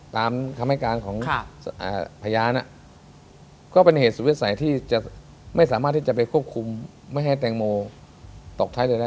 ตามคำให้การของพยานก็เป็นเหตุสุดวิสัยที่จะไม่สามารถที่จะไปควบคุมไม่ให้แตงโมตกท้ายเรือได้